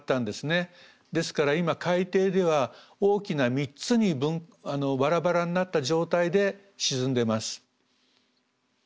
ですから今海底では大きな３つにバラバラになった状態で沈んでます。